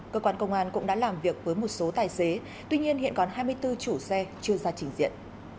cơ quan công an cũng đã làm việc với một số tài xế tuy nhiên hiện còn hai mươi bốn chủ xe chưa ra trình diện